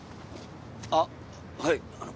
あっはい。